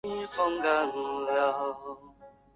四名作曲者都曾为杰尼斯事务所的艺人作曲。